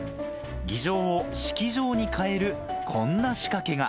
議場を式場に変えるこんな仕掛けが。